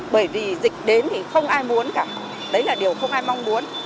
bởi vì dịch đến thì không ai muốn cả đấy là điều không ai mong muốn